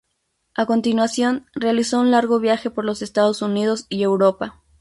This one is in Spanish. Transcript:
A continuación realizó un largo viaje por los Estados Unidos y Europa.